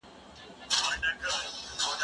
زه پرون لیکل وکړل!؟